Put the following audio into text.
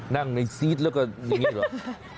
นั่งในซีสแล้วก็อย่างนี้หรอ